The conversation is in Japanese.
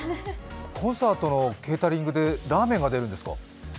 コンサートのケータリングでラーメンが出るんですか？